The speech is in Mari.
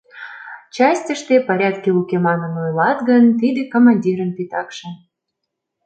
Частьыште порядке уке манын ойлат гын, тиде командирын титакше.